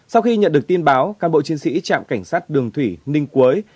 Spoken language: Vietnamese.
sau khi nhận được tin báo can bộ chiến sĩ chạm cảnh sát đường thủy ninh quới